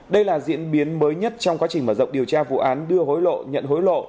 đây là diễn biến mới nhất trong quá trình mở rộng điều tra vụ án đưa hối lộ nhận hối lộ